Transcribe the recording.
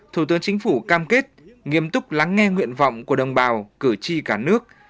thủ tướng chính phủ cam kết nghiêm túc lắng nghe nguyện vọng của đồng bào cử tri cả nước